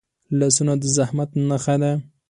لاسونه د زحمت نښه ده